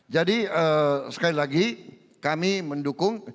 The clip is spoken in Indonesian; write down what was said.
jadi sekali lagi kami mendukung